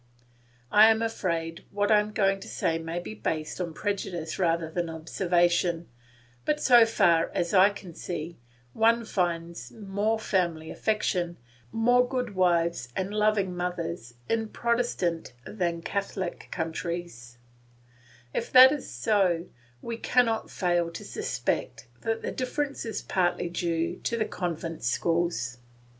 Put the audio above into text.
I am afraid what I am going to say may be based on prejudice rather than observation, but so far as I can see, one finds more family affection, more good wives and loving mothers in Protestant than in Catholic countries; if that is so, we cannot fail to suspect that the difference is partly due to the convent schools.